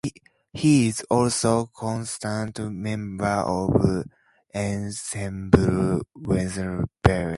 He is also a constant member of the Ensemble Wien-Berlin.